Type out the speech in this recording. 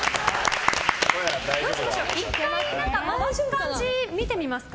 １回、回す感じ見てみますか。